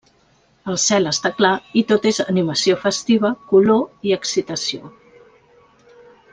El cel està clar i tot és animació festiva, color i excitació.